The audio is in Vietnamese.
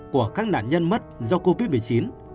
của các nạn nhân mất do covid một mươi chín